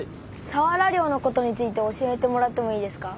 さわら漁のことについて教えてもらってもいいですか？